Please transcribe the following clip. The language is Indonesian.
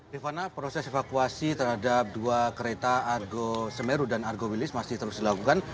rifana proses evakuasi terhadap dua kereta argo semeru dan argo wilis masih terus dilakukan